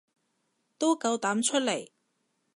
都夠膽出嚟